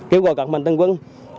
kêu gọi các mình tân quân